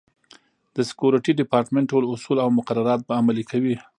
د سکورټي ډیپارټمنټ ټول اصول او مقررات به عملي کوي.